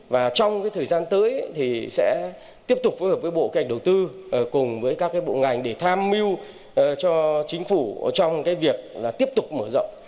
và trong cái thời gian tới thì sẽ tiếp tục phối hợp với bộ cách đầu tư cùng với các cái bộ ngành để tham mưu cho chính phủ trong cái việc là tiếp tục mở rộng